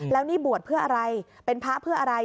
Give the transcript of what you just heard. แล้วนี่บวชเพื่ออะไรเป็นพระเพื่ออะไร